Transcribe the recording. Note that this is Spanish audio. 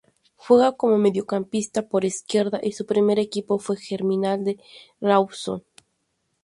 Juega como mediocampista por izquierda y su primer equipo fue Germinal de Rawson.